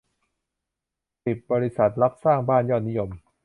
สิบ บริษัทรับสร้างบ้านยอดนิยม